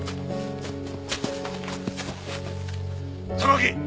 榊！